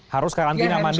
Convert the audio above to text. harus karantina mandiri